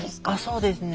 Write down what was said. そうですね。